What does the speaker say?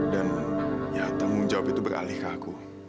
dan ya tanggung jawab itu beralih ke aku